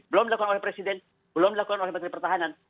belum dilakukan oleh presiden belum dilakukan oleh menteri pertahanan